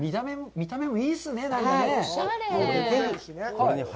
見た目もいいですね。